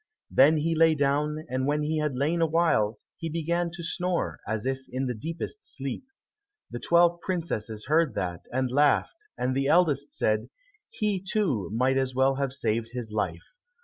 Then he lay down and when he had lain a while, he began to snore, as if in the deepest sleep. The twelve princesses heard that, and laughed, and the eldest said, "He, too, might as well have saved his life."